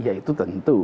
ya itu tentu